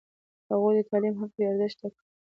هغوی د تعلیم حق بې ارزښته کړ.